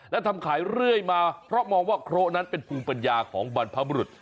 และทำขายเรื่อยมาเพราะมองว่าเคราะห์นั้นเป็นภูมิปัญญาของบรรพบุรุษ